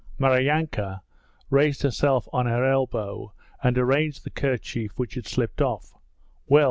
Maryanka raised herself on her elbow and arranged the kerchief which had slipped off.